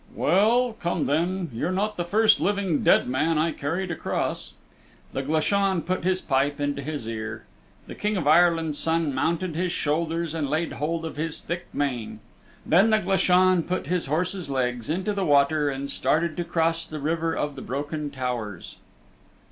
"Well, come then. You're not the first living dead man I carried across." The Glashan put his pipe into his ear. The King of Ireland's Son mounted his shoulders and laid hold of his thick mane. Then the Glashan put his horse's legs into the water and started to cross the River of the Broken Towers.